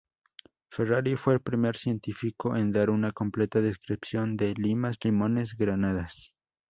Ferrari fue el primer científico en dar una completa descripción de limas, limones, granadas.